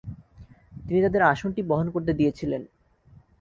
তিনি তাদের আসনটি বহন করতে দিয়েছিলেন।